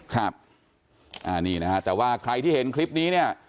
ครับอ่านี่นะฮะแต่ว่าใครที่เห็นคลิปนี้เนี่ย